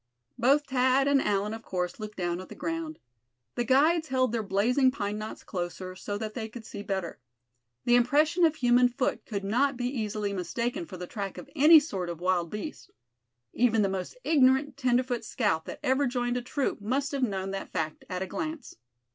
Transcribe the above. Both Thad and Allan of course looked down at the ground. The guides held their blazing pine knots closer, so that they could see better. The impression of human foot could not be easily mistaken for the track of any sort of wild beast. Even the most ignorant tenderfoot scout that ever joined a troop must have known that fact at a glance.